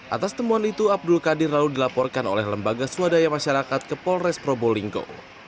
atas temuan itu abdul qadir lalu dilaporkan oleh lembaga swadaya masyarakat ke polres probolinggo